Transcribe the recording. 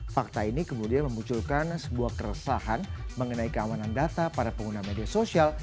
fakta ini kemudian memunculkan sebuah keresahan mengenai keamanan data para pengguna media sosial